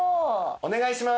お願いします！